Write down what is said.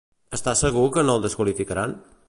Està segur que no el desqualificaran?